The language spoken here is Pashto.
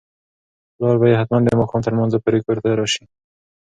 پلار به یې حتماً د ماښام تر لمانځه پورې کور ته راشي.